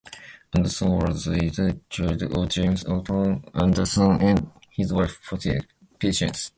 Anderson was the eighth child of James Outram Anderson and his wife Patience.